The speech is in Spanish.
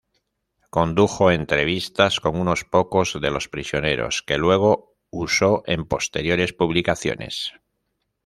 Condujo entrevistas con unos pocos de los prisioneros, que luego usó en posteriores publicaciones.